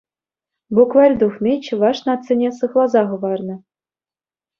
Букварь тухни чӑваш нацине сыхласа хӑварнӑ.